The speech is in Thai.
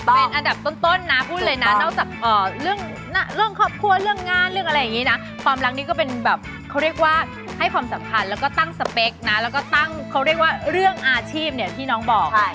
เป็นอันดับต้นนะพูดเลยนะนอกจากเรื่องครอบครัวเรื่องงานเรื่องอะไรอย่างนี้นะ